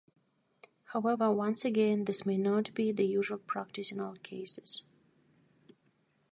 However, once again, this may not be the usual practice in all cases.